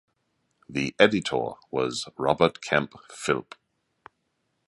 The editor was Robert Kemp Philp.